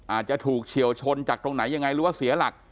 อาจจะถูกเฉียวชนจากตรงไหนยังไงหรือว่าเสียหลัก